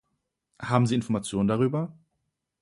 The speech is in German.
Haben Sie Informationen darüber?